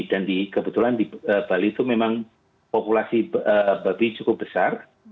dan kebetulan di bali itu memang populasi babi cukup besar